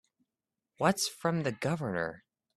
What's from the Governor?